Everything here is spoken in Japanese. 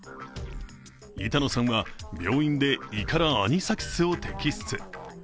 板野さんは病院で胃からアニサキスを摘出。